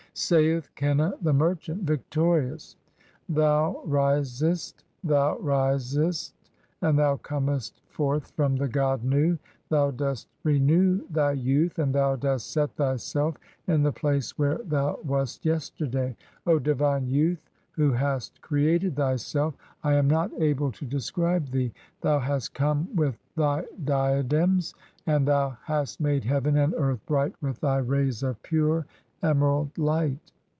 Saith Qenna the merchant, victorious: (12) "Thou risest, thou "risest, and thou comest forth from the god Nu. Thou dost re "new thy youth and thou dost set thyself in the place where thou "wast yesterday. O divine youth who hast created thyself, (1 3) I "am not able [to describe] thee. Thou hast come with thy diadems, 2 1. See Chapter XXXVII. 2. Or, "in thy rising". 8 INTRODUCTORY HYMNS "and thou hast made heaven and earth bright with thy rays of "pure emerald light.